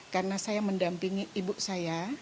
karena saya mendampingi ibu saya